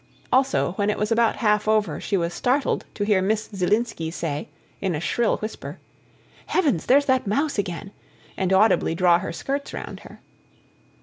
Also, when it was about half over she was startled to hear Miss Zielinski say, in a shrill whisper: "Heavens! There's that mouse again," and audibly draw her skirts round her.